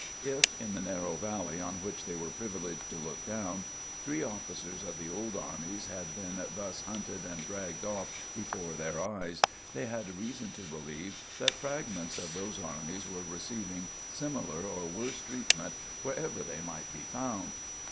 If, in the narrow valley on which they were privileged to look down, three officers of the old armies had been thus hunted and dragged off before their eyes, they had reason to believe that fragments of those armies were receiving similar or worse treatment wherever they might be found.